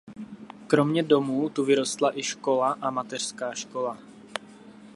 Kromě domů tu vyrostla i škola a mateřská škola.